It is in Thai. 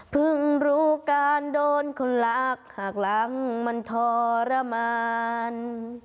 รู้การโดนคนรักหักหลังมันทรมาน